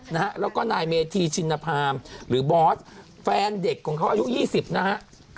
แล้วก็นายเมธีชินภามหรือบอสแฟนเด็กของเขาอายุ๒๐นะฮะ